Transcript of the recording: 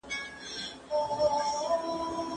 سم فکر د سم عمل لامل ګرځي.